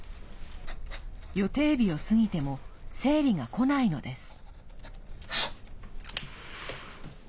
予定日を過ぎても生理がこないのです。